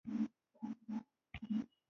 ویلاسان ګایواني مسینا تاورمینا ته ولاړم.